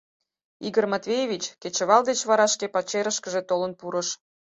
Игорь Матвеевич кечывал деч вара шке пачерышкыже толын пурыш.